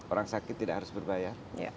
orang sakit tidak harus berbayar